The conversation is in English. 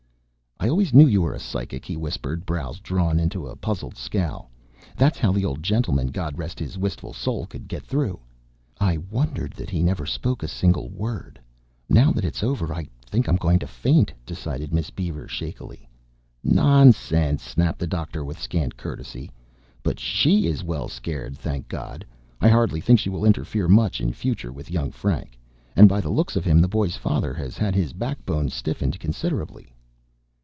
"I always knew you were psychic," he whispered, brows drawn into a puzzled scowl. "That's how the old gentleman, God rest his wilful soul, could get through." "I wondered that he never spoke a single word! Now that it's over, I think I'm going to faint," decided Miss Beaver shakily. "Nonsense," snapped the doctor with scant courtesy. "But she is well scared, thank God. I hardly think she will interfere much in future with young Frank. And by the looks of him, the boy's father has had his backbone stiffened considerably."